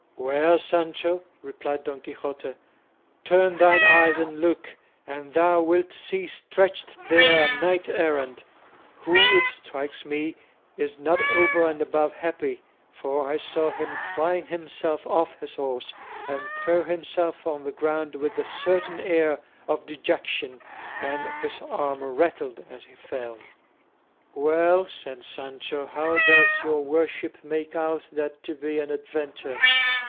"Where, Sancho?" replied Don Quixote; "turn thine eyes and look, and thou wilt see stretched there a knight errant, who, it strikes me, is not over and above happy, for I saw him fling himself off his horse and throw himself on the ground with a certain air of dejection, and his armour rattled as he fell." "Well," said Sancho, "how does your worship make out that to be an adventure?"